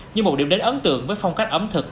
như một điểm đến ấn tượng với phong cách ẩm thực